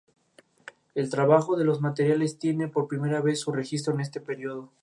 No obstante, como socialista convencido y conciliador, aprobó la victoria de Sánchez.